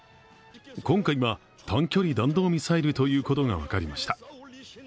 今回は、短距離弾道ミサイルということが分かりました。